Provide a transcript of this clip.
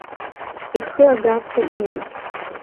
Ихы агарҭа имамызт.